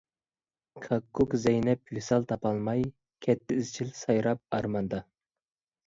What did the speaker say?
كاككۇك زەينەپ ۋىسال تاپالماي، كەتتى ئىزچىل سايراپ ئارماندا.